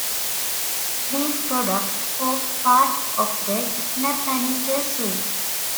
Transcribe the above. These products form part of the SnapManager suite.